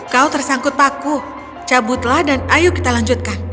kau tersangkut paku cabutlah dan ayo kita lanjutkan